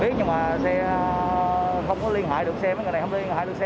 biết nhưng mà xe không có liên hệ được xe mấy người này không liên hệ được xe